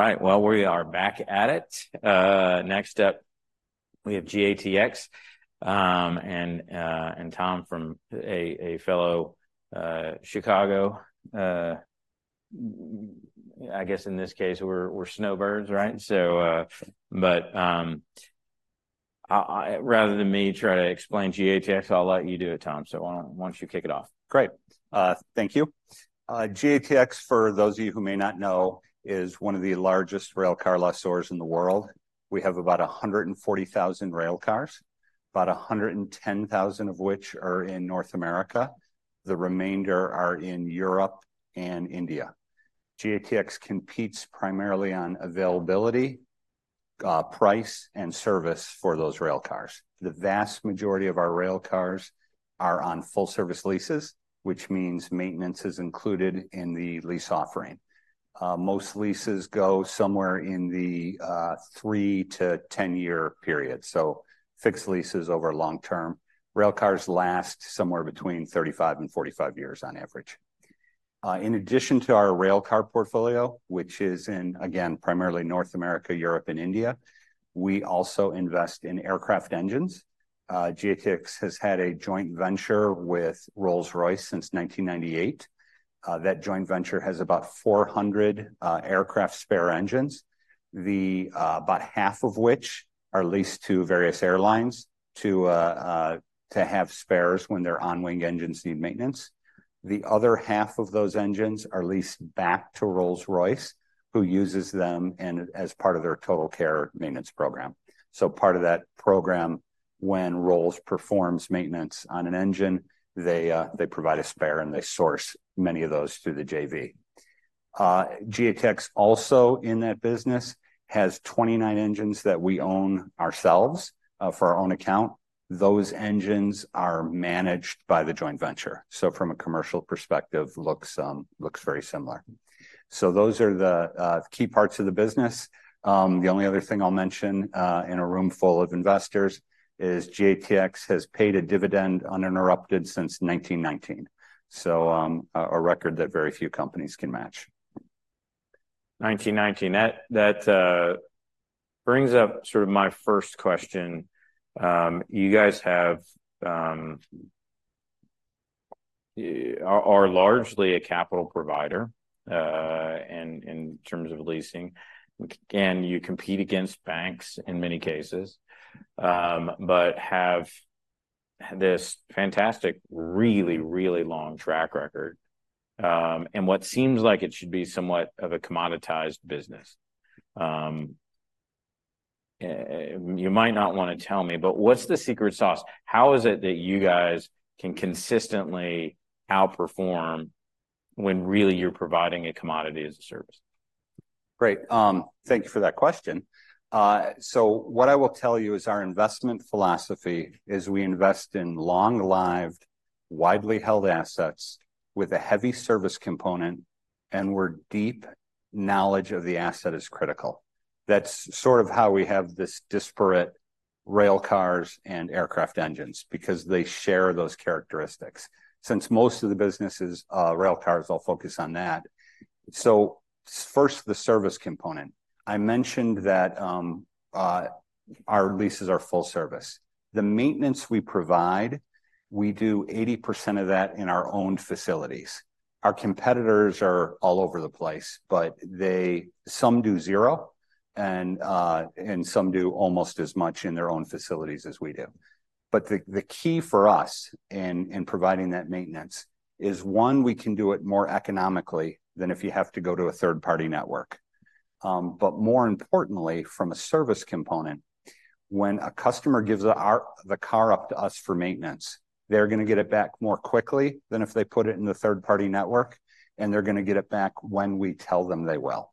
All right, well, we are back at it. Next up, we have GATX, and Tom from a fellow Chicago. I guess in this case we're snowbirds, right? So, but, I rather than me try to explain GATX, I'll let you do it, Tom, so why don't you kick it off? Great. Thank you. GATX, for those of you who may not know, is one of the largest railcar lessors in the world. We have about 140,000 railcars, about 110,000 of which are in North America. The remainder are in Europe and India. GATX competes primarily on availability, price, and service for those railcars. The vast majority of our railcars are on full-service leases, which means maintenance is included in the lease offering. Most leases go somewhere in the 3-10-year period, so fixed leases over long-term. Railcars last somewhere between 35-45 years on average. In addition to our railcar portfolio, which is in, again, primarily North America, Europe, and India, we also invest in aircraft engines. GATX has had a joint venture with Rolls-Royce since 1998. That joint venture has about 400 aircraft spare engines, about half of which are leased to various airlines to have spares when their on-wing engines need maintenance. The other half of those engines are leased back to Rolls-Royce, who uses them as part of their TotalCare maintenance program. So part of that program, when Rolls performs maintenance on an engine, they provide a spare, and they source many of those through the JV. GATX, also in that business, has 29 engines that we own ourselves, for our own account. Those engines are managed by the joint venture, so from a commercial perspective, looks very similar. So those are the key parts of the business. The only other thing I'll mention, in a room full of investors, is GATX has paid a dividend uninterrupted since 1919, so a record that very few companies can match. That brings up sort of my first question. You guys are largely a capital provider in terms of leasing. Again, you compete against banks in many cases, but have this fantastic, really, really long track record, and what seems like it should be somewhat of a commoditized business. You might not want to tell me, but what's the secret sauce? How is it that you guys can consistently outperform when really you're providing a commodity as a service? Great. Thank you for that question. So what I will tell you is our investment philosophy is we invest in long-lived, widely held assets with a heavy service component, and where deep knowledge of the asset is critical. That's sort of how we have this disparate rail cars and aircraft engines, because they share those characteristics. Since most of the businesses, rail cars all focus on that. So first, the service component. I mentioned that, our leases are full service. The maintenance we provide, we do 80% of that in our own facilities. Our competitors are all over the place, but they some do zero, and some do almost as much in their own facilities as we do. But the key for us in providing that maintenance is, one, we can do it more economically than if you have to go to a third-party network. But more importantly, from a service component, when a customer gives us the car up to us for maintenance, they're going to get it back more quickly than if they put it in the third-party network, and they're going to get it back when we tell them they will.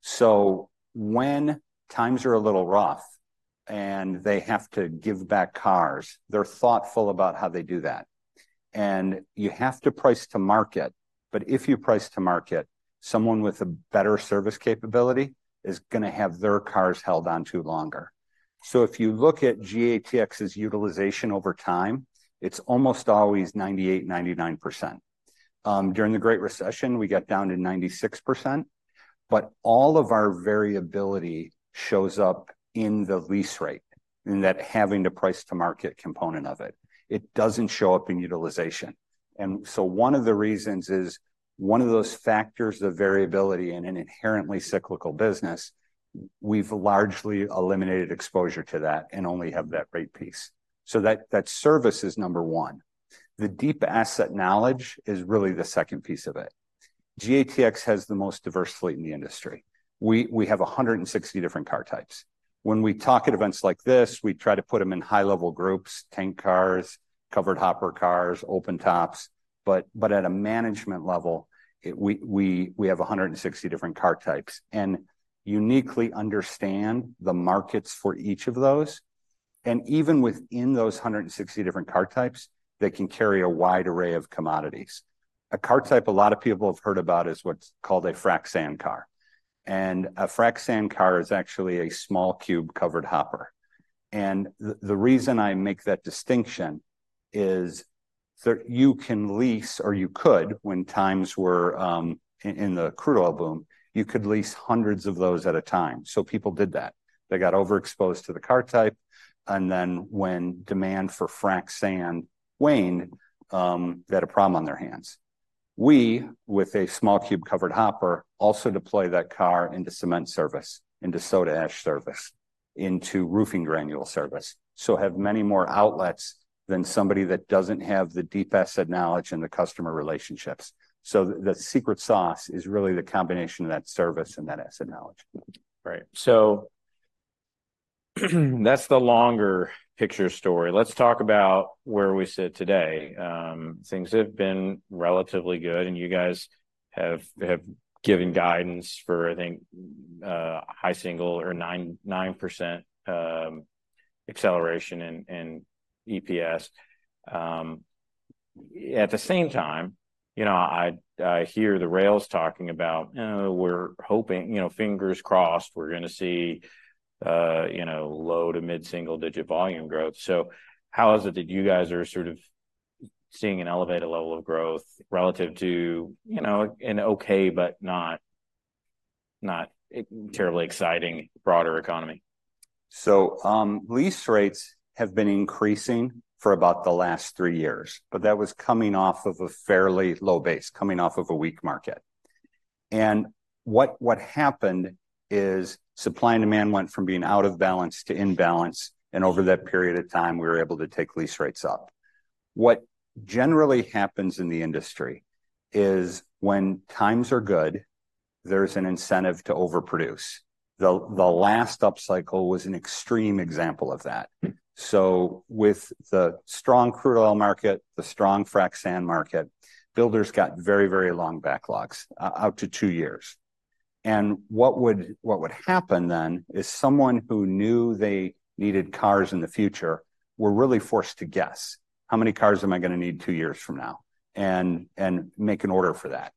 So when times are a little rough and they have to give back cars, they're thoughtful about how they do that. And you have to price to market, but if you price to market, someone with a better service capability is going to have their cars held on to longer. So if you look at GATX's utilization over time, it's almost always 98%-99%. During the Great Recession, we got down to 96%, but all of our variability shows up in the lease rate, in that having to price to market component of it. It doesn't show up in utilization. One of the reasons is one of those factors of variability in an inherently cyclical business; we've largely eliminated exposure to that and only have that rate piece. So that service is number one. The deep asset knowledge is really the second piece of it. GATX has the most diverse fleet in the industry. We have 160 different car types. When we talk at events like this, we try to put them in high-level groups: tank cars, covered hopper cars, open tops. But at a management level, we have 160 different car types and uniquely understand the markets for each of those. And even within those 160 different car types, they can carry a wide array of commodities. A car type a lot of people have heard about is what's called a frac sand car. A frac sand car is actually a small cube covered hopper. The reason I make that distinction is that you can lease, or you could, when times were in the crude oil boom, you could lease hundreds of those at a time. People did that. They got overexposed to the car type, and then when demand for frac sand waned, they had a problem on their hands. We, with a small cube covered hopper, also deploy that car into cement service, into soda ash service, into roofing granule service. So have many more outlets than somebody that doesn't have the deep asset knowledge and the customer relationships. So the secret sauce is really the combination of that service and that asset knowledge. Right. So that's the longer picture story. Let's talk about where we sit today. Things have been relatively good, and you guys have, have given guidance for, I think, high single- or 9%-9% acceleration in, in EPS. At the same time, you know, I, I hear the rails talking about, you know, we're hoping, you know, fingers crossed, we're going to see, you know, low- to mid-single-digit volume growth. So how is it that you guys are sort of seeing an elevated level of growth relative to, you know, an okay but not, not terribly exciting broader economy? So, lease rates have been increasing for about the last 3 years, but that was coming off of a fairly low base, coming off of a weak market. And what happened is supply and demand went from being out of balance to in balance, and over that period of time, we were able to take lease rates up. What generally happens in the industry is when times are good, there's an incentive to overproduce. The last upcycle was an extreme example of that. So with the strong crude oil market, the strong frac sand market, builders got very, very long backlogs, out to 2 years. And what would happen then is someone who knew they needed cars in the future were really forced to guess, "How many cars am I going to need 2 years from now?" and make an order for that.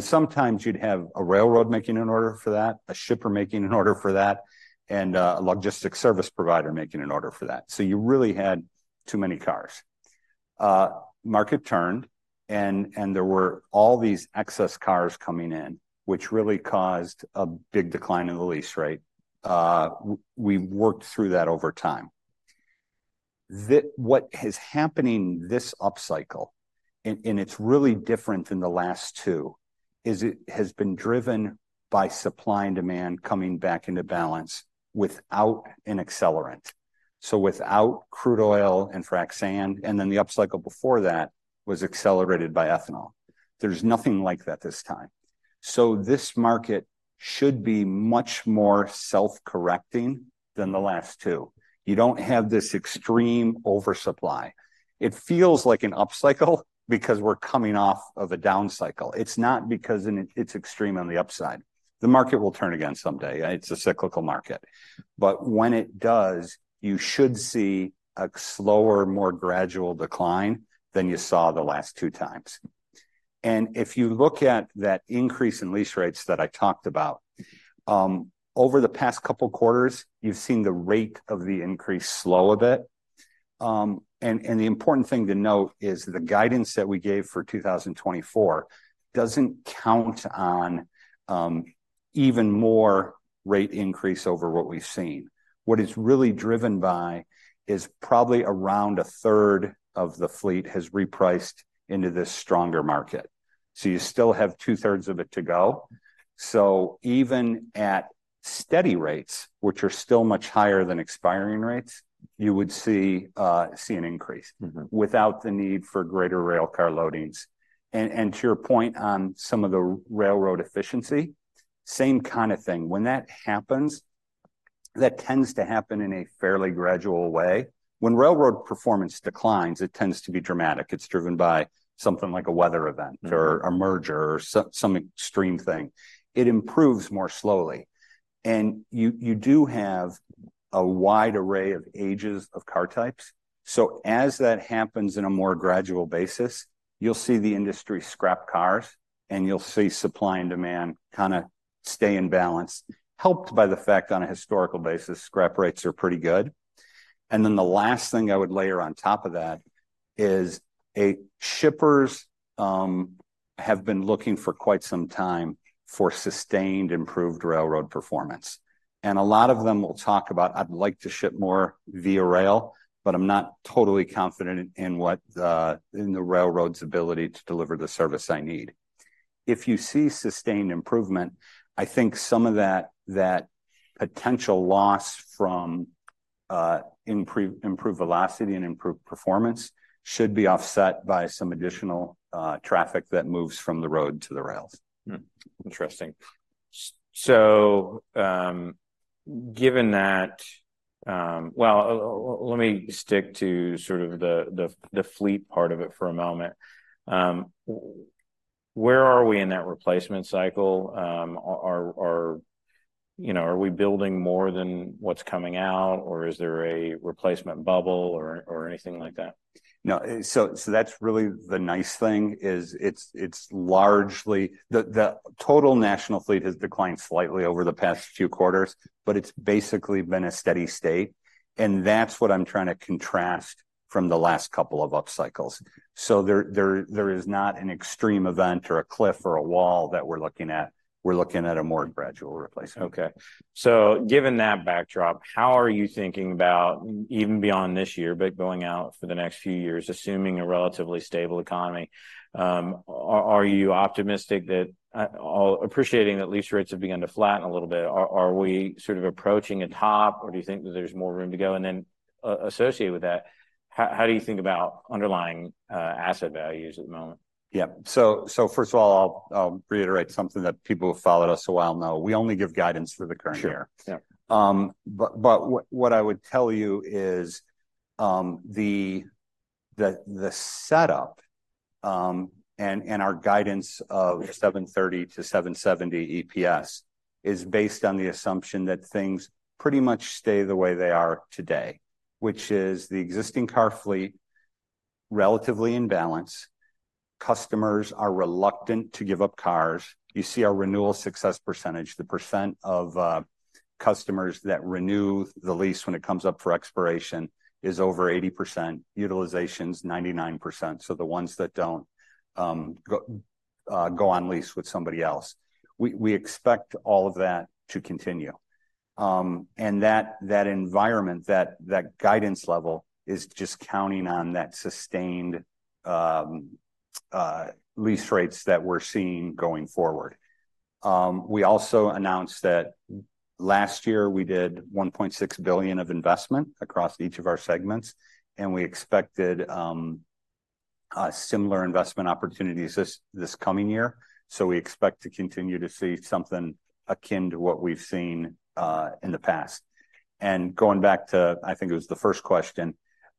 Sometimes you'd have a railroad making an order for that, a shipper making an order for that, and a logistics service provider making an order for that. So you really had too many cars. Market turned, and there were all these excess cars coming in, which really caused a big decline in the lease rate. We worked through that over time. The what has happened in this upcycle, and it's really different than the last two, is it has been driven by supply and demand coming back into balance without an accelerant. So without crude oil and frac sand, and then the upcycle before that was accelerated by ethanol. There's nothing like that this time. So this market should be much more self-correcting than the last two. You don't have this extreme oversupply. It feels like an upcycle because we're coming off of a downcycle. It's not because it's extreme on the upside. The market will turn again someday. It's a cyclical market. But when it does, you should see a slower, more gradual decline than you saw the last two times. And if you look at that increase in lease rates that I talked about, over the past couple quarters, you've seen the rate of the increase slow a bit. And the important thing to note is the guidance that we gave for 2024 doesn't count on even more rate increase over what we've seen. What it's really driven by is probably around a third of the fleet has repriced into this stronger market. So you still have two-thirds of it to go. So even at steady rates, which are still much higher than expiring rates, you would see an increase without the need for greater railcar loadings. And to your point on some of the railroad efficiency, same kind of thing. When that happens, that tends to happen in a fairly gradual way. When railroad performance declines, it tends to be dramatic. It's driven by something like a weather event or a merger or some extreme thing. It improves more slowly. And you do have a wide array of ages of car types. So as that happens in a more gradual basis, you'll see the industry scrap cars, and you'll see supply and demand kind of stay in balance, helped by the fact on a historical basis, scrap rates are pretty good. And then the last thing I would layer on top of that is shippers have been looking for quite some time for sustained, improved railroad performance. A lot of them will talk about, "I'd like to ship more via rail, but I'm not totally confident in the railroad's ability to deliver the service I need." If you see sustained improvement, I think some of that potential loss from improved velocity and improved performance should be offset by some additional traffic that moves from the road to the rails. Interesting. So, given that, well, let me stick to sort of the fleet part of it for a moment. Where are we in that replacement cycle? You know, are we building more than what's coming out, or is there a replacement bubble or anything like that? No, that's really the nice thing is it's largely the total national fleet has declined slightly over the past few quarters, but it's basically been a steady state. That's what I'm trying to contrast from the last couple of upcycles. There is not an extreme event or a cliff or a wall that we're looking at. We're looking at a more gradual replacement. Okay. So given that backdrop, how are you thinking about even beyond this year, but going out for the next few years, assuming a relatively stable economy? Are you optimistic that, while appreciating that lease rates have begun to flatten a little bit, are we sort of approaching a top, or do you think that there's more room to go? And then associated with that, how do you think about underlying asset values at the moment? Yeah. So first of all, I'll reiterate something that people who have followed us a while know. We only give guidance for the current year. Sure. Yeah. What I would tell you is, the setup and our guidance of $7.30-$7.70 EPS is based on the assumption that things pretty much stay the way they are today, which is the existing car fleet relatively in balance. Customers are reluctant to give up cars. You see our renewal success percentage. The percent of customers that renew the lease when it comes up for expiration is over 80%. Utilization, 99%. So the ones that don't go on lease with somebody else. We expect all of that to continue, and that environment, that guidance level is just counting on that sustained lease rates that we're seeing going forward. We also announced that last year we did $1.6 billion of investment across each of our segments, and we expected similar investment opportunities this coming year. We expect to continue to see something akin to what we've seen in the past. Going back to, I think it was the first question.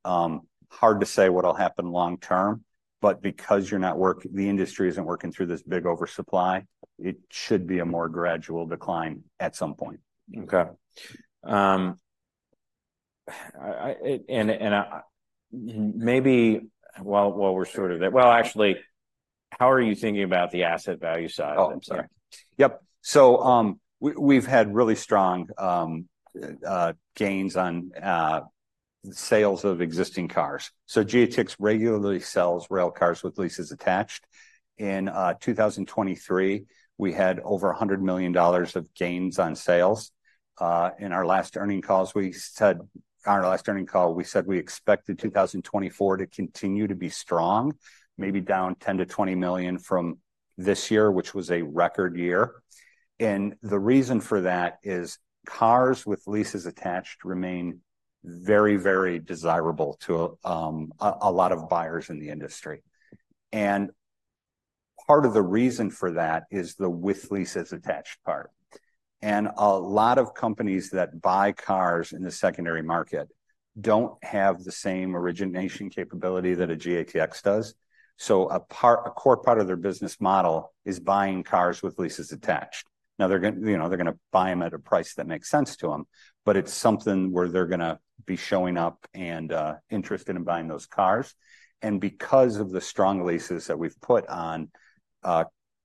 Hard to say what'll happen long term, but because you're not working, the industry isn't working through this big oversupply. It should be a more gradual decline at some point. Okay. And maybe while we're sort of that, well, actually, how are you thinking about the asset value side? Oh, I'm sorry. Yep. So, we, we've had really strong gains on sales of existing cars. So GATX regularly sells rail cars with leases attached. In 2023, we had over $100 million of gains on sales. In our last earnings calls, we said on our last earnings call, we said we expected 2024 to continue to be strong, maybe down $10-$20 million from this year, which was a record year. And the reason for that is cars with leases attached remain very, very desirable to a lot of buyers in the industry. And part of the reason for that is the with leases attached part. And a lot of companies that buy cars in the secondary market don't have the same origination capability that a GATX does. So a part, a core part of their business model is buying cars with leases attached. Now they're going to, you know, they're going to buy them at a price that makes sense to them, but it's something where they're going to be showing up and interested in buying those cars. And because of the strong leases that we've put on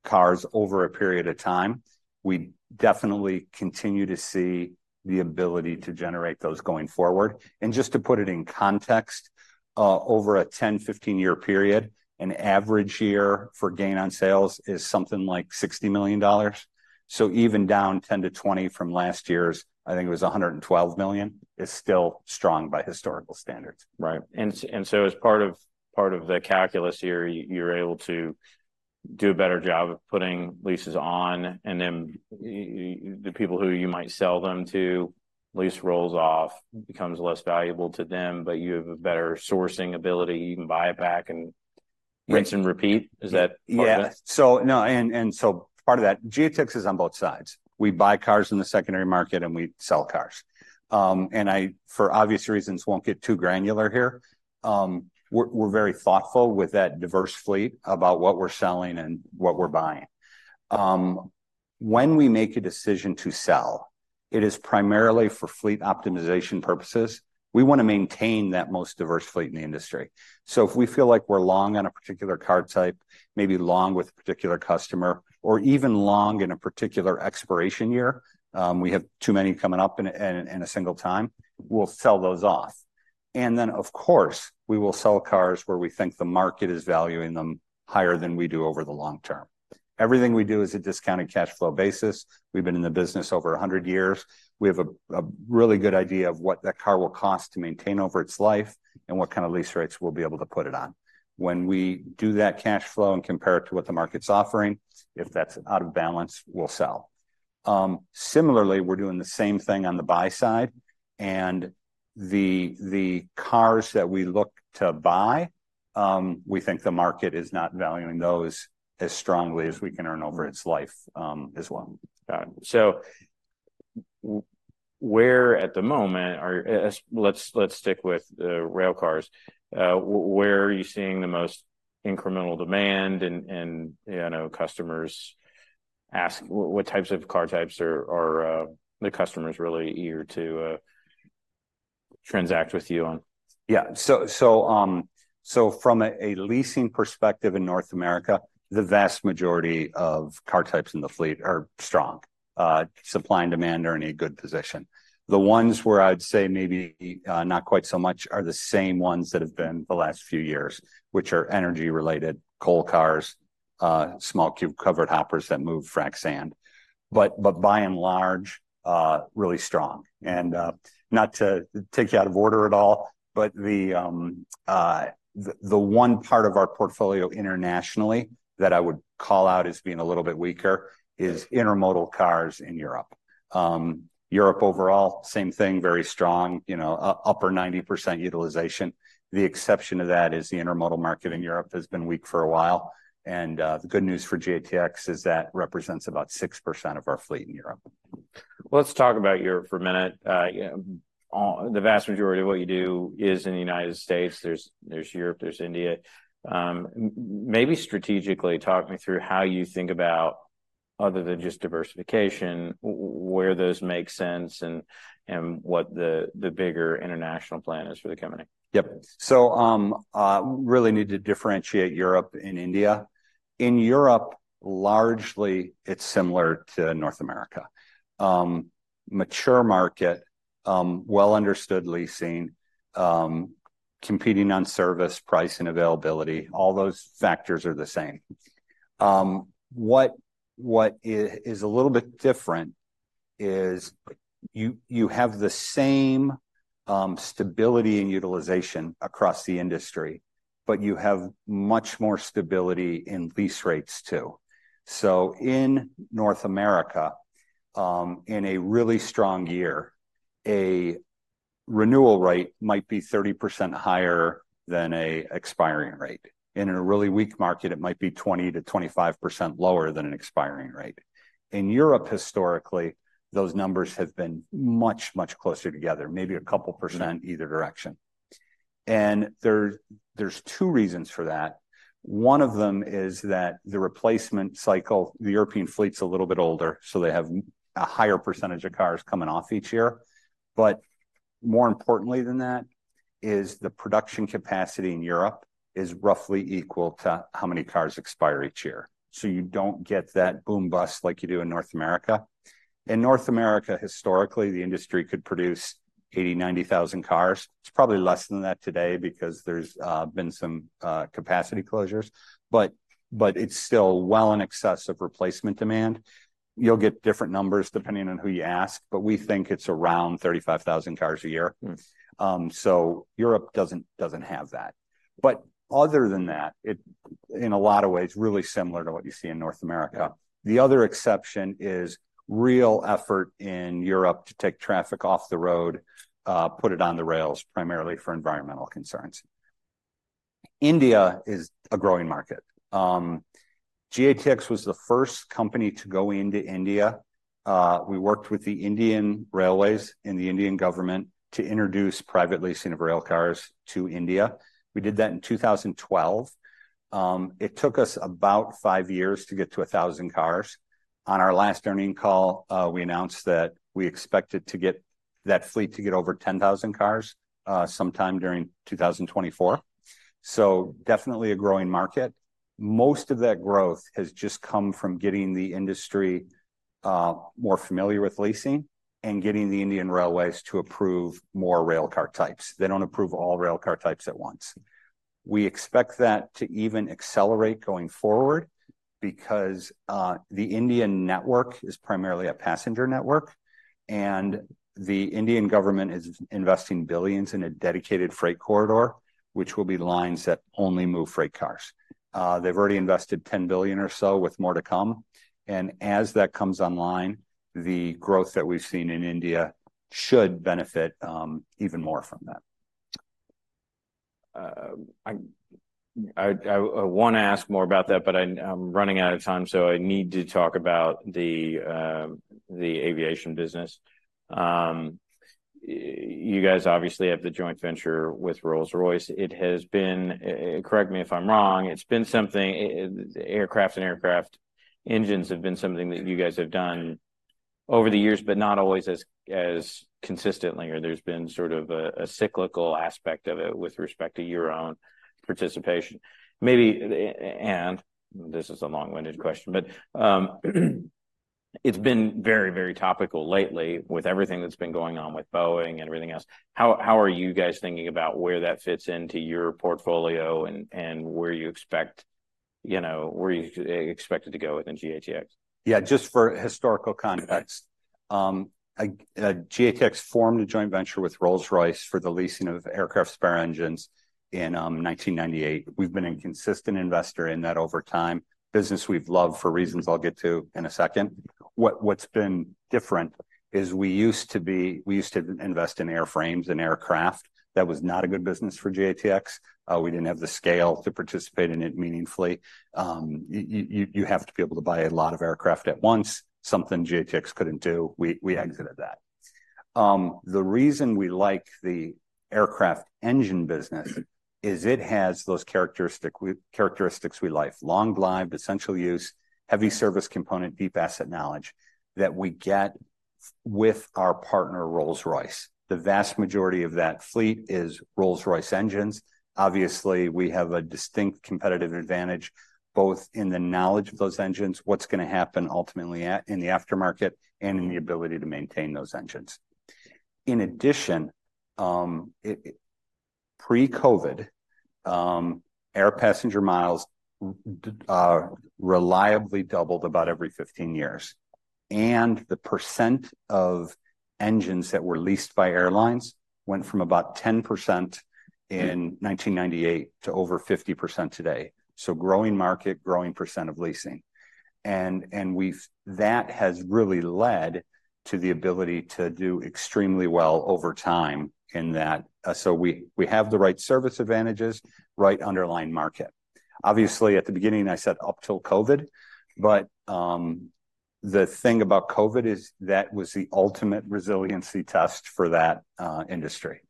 cars over a period of time, we definitely continue to see the ability to generate those going forward. And just to put it in context, over a 10-15-year period, an average year for gain on sales is something like $60 million. So even down 10-20 from last year's, I think it was $112 million, is still strong by historical standards. Right. And so as part of the calculus here, you're able to do a better job of putting leases on, and then the people who you might sell them to, lease rolls off, becomes less valuable to them, but you have a better sourcing ability. You can buy it back and rinse and repeat. Is that part of it? Yeah. So, no, and so part of that, GATX is on both sides. We buy cars in the secondary market, and we sell cars. And I, for obvious reasons, won't get too granular here. We're very thoughtful with that diverse fleet about what we're selling and what we're buying. When we make a decision to sell, it is primarily for fleet optimization purposes. We want to maintain that most diverse fleet in the industry. So if we feel like we're long on a particular car type, maybe long with a particular customer, or even long in a particular expiration year, we have too many coming up in a single time, we'll sell those off. And then, of course, we will sell cars where we think the market is valuing them higher than we do over the long term. Everything we do is a discounted cash flow basis. We've been in the business over 100 years. We have a really good idea of what that car will cost to maintain over its life and what kind of lease rates we'll be able to put it on. When we do that cash flow and compare it to what the market's offering, if that's out of balance, we'll sell. Similarly, we're doing the same thing on the buy side. And the cars that we look to buy, we think the market is not valuing those as strongly as we can earn over its life, as well. Got it. So, where at the moment? Let's stick with the rail cars. Where are you seeing the most incremental demand and, you know, customers ask what types of car types are the customers really eager to transact with you on? Yeah. So from a leasing perspective in North America, the vast majority of car types in the fleet are strong. Supply and demand are in a good position. The ones where I'd say maybe not quite so much are the same ones that have been the last few years, which are energy-related, coal cars, small cube covered hoppers that move frac sand. But by and large, really strong. And not to take you out of order at all, but the one part of our portfolio internationally that I would call out as being a little bit weaker is intermodal cars in Europe. Europe overall, same thing, very strong, you know, upper 90% utilization. The exception to that is the intermodal market in Europe has been weak for a while. And the good news for GATX is that represents about 6% of our fleet in Europe. Let's talk about Europe for a minute. You know, the vast majority of what you do is in the United States. There's Europe. There's India. Maybe strategically, talk me through how you think about, other than just diversification, where those make sense and what the bigger international plan is for the company. Yep. So, really need to differentiate Europe and India. In Europe, largely, it's similar to North America. Mature market, well-understood leasing, competing on service, price, and availability, all those factors are the same. What is a little bit different is you have the same stability and utilization across the industry, but you have much more stability in lease rates too. So in North America, in a really strong year, a renewal rate might be 30% higher than an expiring rate. In a really weak market, it might be 20%-25% lower than an expiring rate. In Europe, historically, those numbers have been much, much closer together, maybe a couple% either direction. And there's two reasons for that. One of them is that the replacement cycle, the European fleet's a little bit older, so they have a higher percentage of cars coming off each year. But more importantly than that is the production capacity in Europe is roughly equal to how many cars expire each year. So you don't get that boom bust like you do in North America. In North America, historically, the industry could produce 80,000, 90,000 cars. It's probably less than that today because there's been some capacity closures. But it's still well in excess of replacement demand. You'll get different numbers depending on who you ask, but we think it's around 35,000 cars a year. So Europe doesn't have that. But other than that, it in a lot of ways, really similar to what you see in North America. The other exception is real effort in Europe to take traffic off the road, put it on the rails, primarily for environmental concerns. India is a growing market. GATX was the first company to go into India. We worked with the Indian Railways and the Indian government to introduce private leasing of rail cars to India. We did that in 2012. It took us about five years to get to 1,000 cars. On our last earnings call, we announced that we expected to get that fleet to get over 10,000 cars, sometime during 2024. So definitely a growing market. Most of that growth has just come from getting the industry more familiar with leasing and getting the Indian Railways to approve more rail car types. They don't approve all rail car types at once. We expect that to even accelerate going forward because the Indian network is primarily a passenger network. The Indian government is investing billions in a dedicated freight corridor, which will be lines that only move freight cars. They've already invested $10 billion or so with more to come. As that comes online, the growth that we've seen in India should benefit even more from that. I want to ask more about that, but I'm running out of time, so I need to talk about the aviation business. You guys obviously have the joint venture with Rolls-Royce. It has been, correct me if I'm wrong, it's been something aircraft and aircraft engines have been something that you guys have done over the years, but not always as consistently, or there's been sort of a cyclical aspect of it with respect to your own participation. Maybe, and this is a long-winded question, but, it's been very, very topical lately with everything that's been going on with Boeing and everything else. How are you guys thinking about where that fits into your portfolio and where you expect, you know, where you expect it to go within GATX? Yeah, just for historical context, GATX formed a joint venture with Rolls-Royce for the leasing of aircraft spare engines in 1998. We've been a consistent investor in that over time. Business we've loved for reasons I'll get to in a second. What's been different is we used to invest in airframes and aircraft. That was not a good business for GATX. We didn't have the scale to participate in it meaningfully. You have to be able to buy a lot of aircraft at once, something GATX couldn't do. We exited that. The reason we like the aircraft engine business is it has those characteristics we like: long life, essential use, heavy service component, deep asset knowledge that we get with our partner Rolls-Royce. The vast majority of that fleet is Rolls-Royce engines. Obviously, we have a distinct competitive advantage both in the knowledge of those engines, what's going to happen ultimately in the aftermarket, and in the ability to maintain those engines. In addition, pre-COVID, air passenger miles reliably doubled about every 15 years. And the percent of engines that were leased by airlines went from about 10% in 1998 to over 50% today. So growing market, growing percent of leasing. And that has really led to the ability to do extremely well over time in that. So we have the right service advantages, right underlying market. Obviously, at the beginning, I said up till COVID, but the thing about COVID is that was the ultimate resiliency test for that industry.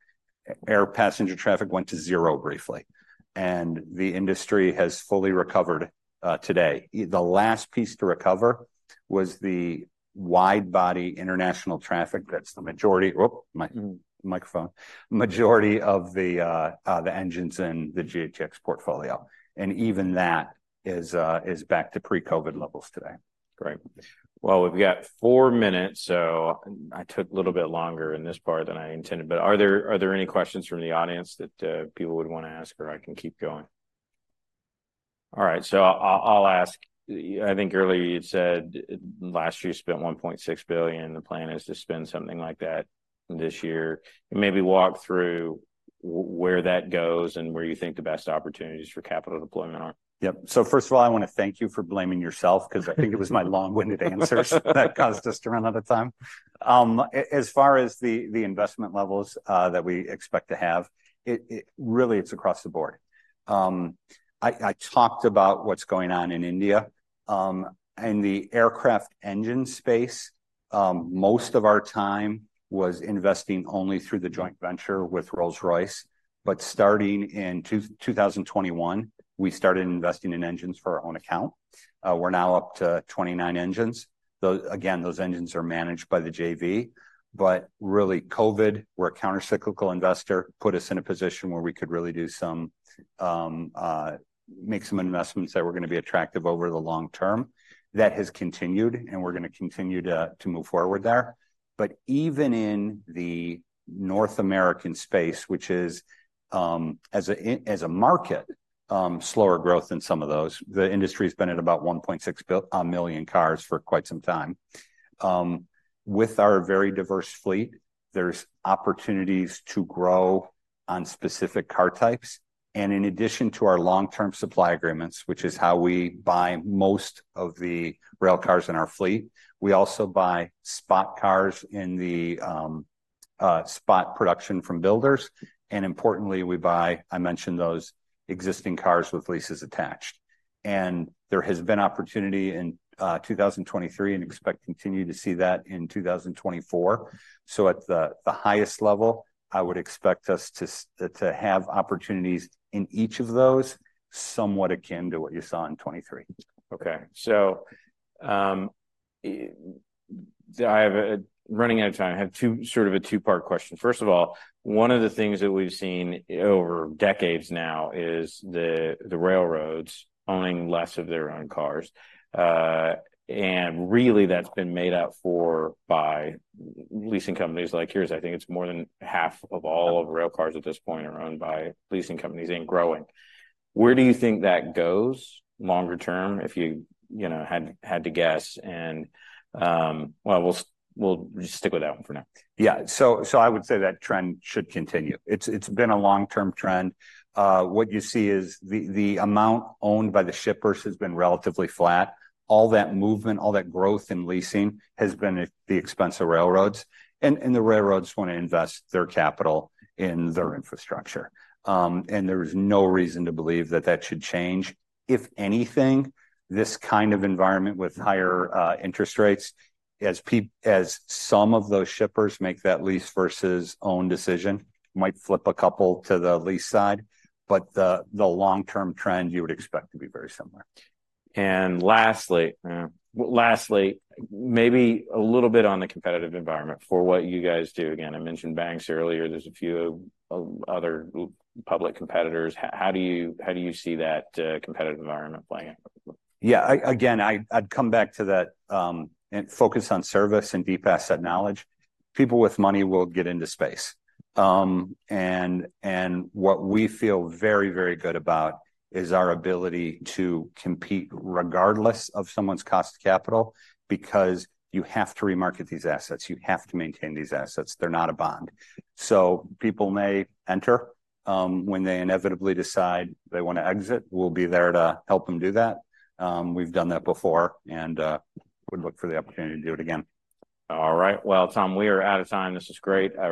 Air passenger traffic went to zero briefly. And the industry has fully recovered today. The last piece to recover was the wide body international traffic. That's the majority of the engines in the GATX portfolio. And even that is back to pre-COVID levels today. Great. Well, we've got four minutes, so I took a little bit longer in this part than I intended. But are there any questions from the audience that people would want to ask, or I can keep going? All right. So I'll ask. I think earlier you'd said last year you spent $1.6 billion. The plan is to spend something like that this year. Maybe walk through where that goes and where you think the best opportunities for capital deployment are. Yep. So first of all, I want to thank you for blaming yourself because I think it was my long-winded answers that caused us to run out of time. As far as the investment levels that we expect to have, it really is across the board. I talked about what's going on in India. In the aircraft engine space, most of our time was investing only through the joint venture with Rolls-Royce. But starting in 2021, we started investing in engines for our own account. We're now up to 29 engines. Though, again, those engines are managed by the JV. But really, COVID, where a countercyclical investor put us in a position where we could really do some, make some investments that were going to be attractive over the long term, that has continued, and we're going to continue to move forward there. But even in the North American space, which is as a market, slower growth than some of those, the industry's been at about 1.6 million cars for quite some time. With our very diverse fleet, there's opportunities to grow on specific car types. And in addition to our long-term supply agreements, which is how we buy most of the rail cars in our fleet, we also buy spot cars in the spot production from builders. And importantly, we buy. I mentioned those existing cars with leases attached. And there has been opportunity in 2023 and expect to continue to see that in 2024. So at the highest level, I would expect us to have opportunities in each of those somewhat akin to what you saw in 2023. Okay. So, I have a running out of time. I have two sort of a two-part questions. First of all, one of the things that we've seen over decades now is the railroads owning less of their own cars. And really that's been made up for by leasing companies like yours. I think it's more than half of all of rail cars at this point are owned by leasing companies and growing. Where do you think that goes longer term, if you know, had to guess? And, well, we'll just stick with that one for now. Yeah. So I would say that trend should continue. It's been a long-term trend. What you see is the amount owned by the shippers has been relatively flat. All that movement, all that growth in leasing has been at the expense of railroads. And the railroads want to invest their capital in their infrastructure. And there's no reason to believe that that should change. If anything, this kind of environment with higher interest rates, as some of those shippers make that lease versus own decision, might flip a couple to the lease side. But the long-term trend, you would expect to be very similar. Lastly, maybe a little bit on the competitive environment for what you guys do. Again, I mentioned banks earlier. There's a few of other public competitors. How do you see that competitive environment playing out? Yeah. I, again, I, I'd come back to that, and focus on service and deep asset knowledge. People with money will get into space. And, and what we feel very, very good about is our ability to compete regardless of someone's cost of capital because you have to remarket these assets. You have to maintain these assets. They're not a bond. So people may enter, when they inevitably decide they want to exit. We'll be there to help them do that. We've done that before and, would look for the opportunity to do it again. All right. Well, Tom, we are out of time. This is great.